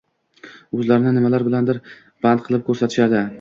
O’zlarini nimalar bilandir band qilib ko’rsatishadi.